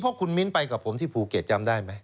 เพราะคุณมิ้นไปกับผมที่ภูเก็ตจำได้ไหม